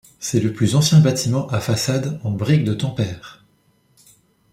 C'est le plus ancien bâtiment à façade en brique de Tampere.